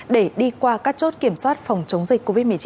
để đi qua các chốt kiểm soát phòng chống dịch covid một mươi chín